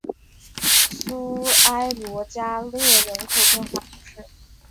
苏埃罗加勒人口变化图示